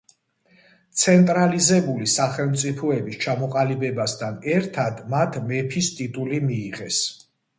ცენტრალიზებული სახელმწიფოების ჩამოყალიბებასთან ერთად მათ მეფის ტიტული მიიღეს.